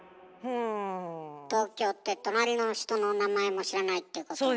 東京って隣の人の名前も知らないっていうこともない？